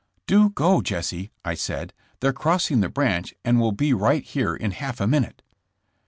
*' 'Do go, Jesse/ I said. 'They're crossing the branch and will be right here in half a minute.'